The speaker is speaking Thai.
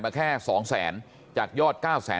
บอกแล้วบอกแล้วบอกแล้วบอกแล้วบอกแล้ว